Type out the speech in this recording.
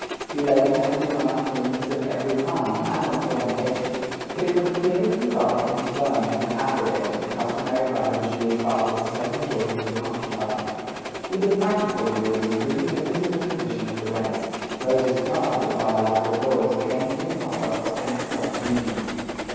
He laid penalties on uncleanness of every kind, and on fornication; but it would appear that he rather confirmed than abrogated the customary right of a Jewish father to sell his daughter as a concubine. With the practical view of improving the physical condition of the race, Moses guarded, by elaborate laws, against improper and corrupt unions.